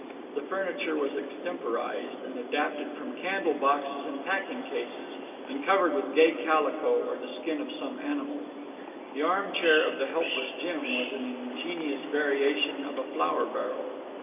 The furniture was extemporized, and adapted from candle boxes and packing cases, and covered with gay calico, or the skin of some animal. The armchair of the helpless Jim was an ingenious variation of a flour barrel.